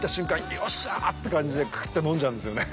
よっしゃーって感じでクーっと飲んじゃうんですよね。